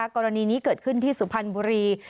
กรณีนี้เกิดขึ้นที่สุพรรณบุรี